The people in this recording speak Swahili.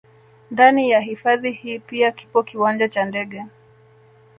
Ndani ya hifadhi hii pia kipo kiwanja cha ndege